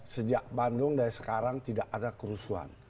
sejak bandung dari sekarang tidak ada kerusuhan